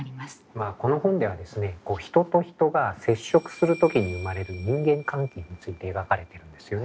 まあこの本ではですね人と人が接触する時に生まれる人間関係について描かれてるんですよね。